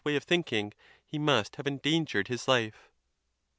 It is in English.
way of thinking, he must have endangered his life.